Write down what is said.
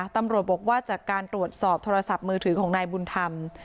ตำรวจบอกว่าจากการตรวจสอบโทรศัพท์มือถือของนายบุญธรรม